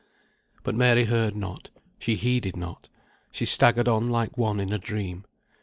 But Mary heard not, she heeded not. She staggered on like one in a dream.